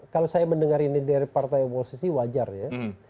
kalau saya mendengar ini dari partai oposisi wajar ya